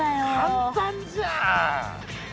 簡単じゃん。